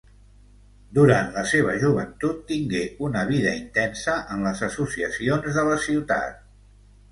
Durant la seva joventut tingué una vida intensa en les associacions de la ciutat.